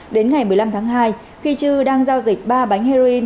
đến ngày một mươi năm tháng hai khi chư đang giao dịch ba bánh heroin